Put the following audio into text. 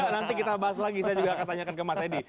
nanti kita bahas lagi saya juga akan tanyakan ke mas edi